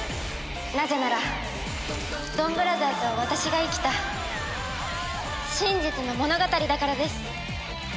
なぜならドンブラザーズは私が生きた真実の物語だからです。